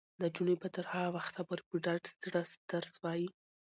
نجونې به تر هغه وخته پورې په ډاډه زړه درس وايي.